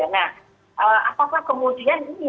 nah apakah kemudian ini akan menjadi hal yang lebih penting